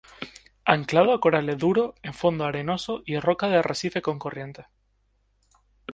Anclados a corales duros, en fondos arenosos y rocas de arrecifes con corrientes.